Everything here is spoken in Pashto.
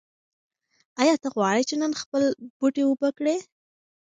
ایا ته غواړې چې نن خپل بوټي اوبه کړې؟